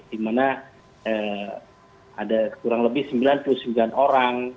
di mana ada kurang lebih sembilan puluh sembilan orang